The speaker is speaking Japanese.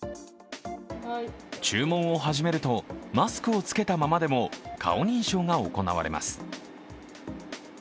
注文を始めると、マスクをつけたままでも顔認証が行われます。